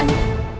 anda berok vallahi